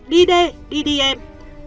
đi đi đi đi em